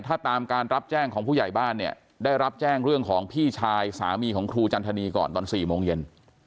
ถ้าตามการรับแจ้งของผู้ใหญ่บ้านเนี่ยได้รับแจ้งเรื่องของพี่ชายสามีของครูจันทนีก่อนตอน๔โมงเย็น